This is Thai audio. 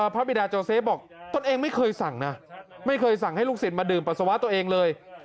บิดาโจเซฟบอกตนเองไม่เคยสั่งนะไม่เคยสั่งให้ลูกศิษย์มาดื่มปัสสาวะตัวเองเลย